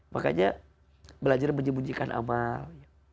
makanya belajar menyembunyikan amal